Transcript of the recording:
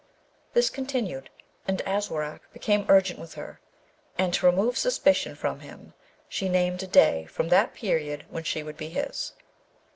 This continued, and Aswarak became urgent with her, and to remove suspicion from him she named a day from that period when she would be his.